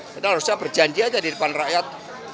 kita harusnya berjanji aja di depan rakyat